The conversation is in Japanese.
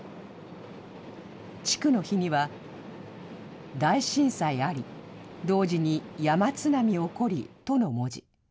地区の碑には、大震災あり同時に山津波起こりとの文字。